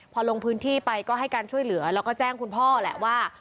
พอลงพื้นที่ไปก็ให้การช่วยเหลือแล้วก็แจ้งคุณพ่อแหละว่า